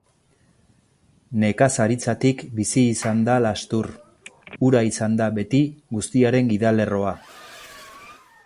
Nekazaritzatik bizi izan da Lastur, ura izan da beti guztiaren gidalerroa.